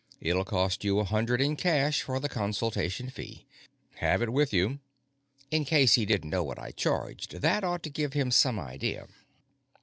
It'll cost you a hundred in cash for the consultation fee. Have it with you." In case he didn't know what I charged, that ought to give him some idea.